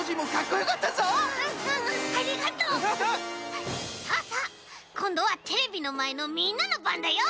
こんどはテレビのまえのみんなのばんだよ。